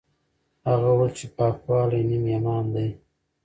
هغه وویل چې پاکوالی نیم ایمان دی.